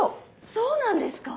そうなんですか？